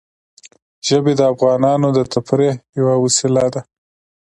ژبې د افغانانو د تفریح یوه وسیله ده.